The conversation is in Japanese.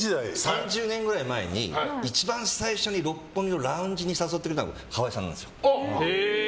３０年ぐらい前に一番最初に六本木のラウンジに誘ってくれたのが川合さんなんですよ。